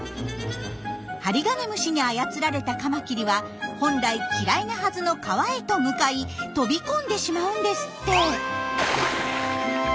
ハリガネムシに操られたカマキリは本来嫌いなはずの川へと向かい飛び込んでしまうんですって。